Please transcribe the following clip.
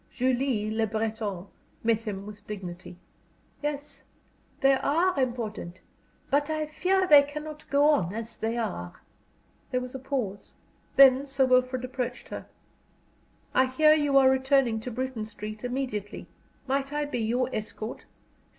Julie Le Breton met him with dignity. "Yes, they are important. But, I fear they cannot go on as they are." There was a pause. Then Sir Wilfrid approached her: "I hear you are returning to Bruton Street immediately. Might I be your escort?"